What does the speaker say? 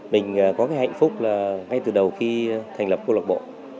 mình có cái hạnh phúc là ngay từ đầu khi thành lập câu lạc bộ